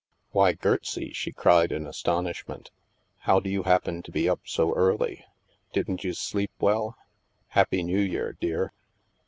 " Why, Gertsie," she cried, in astonishment, " how do you happen to be up so early ? Didn't you sleep well? Happy New Year, dear."